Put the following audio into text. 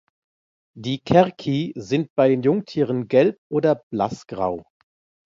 Die Cerci sind bei den Jungtieren gelb oder blassgrau.